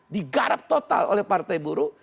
digarap total oleh partai buruh